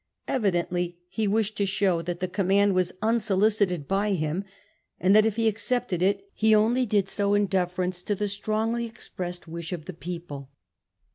Evidently he wished to show that the com mand was unsolicited by him, and that if he accepted it he only did so in deference to the strongly expressed wish of the people.